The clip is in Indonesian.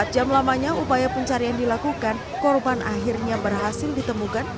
empat jam lamanya upaya pencarian dilakukan korban akhirnya berhasil ditemukan